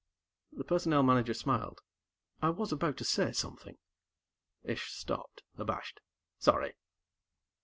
The Personnel Manager smiled. "I was about to say something." Ish stopped, abashed. "Sorry."